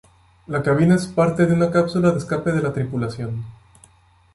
La cabina es parte de una cápsula de escape de la tripulación.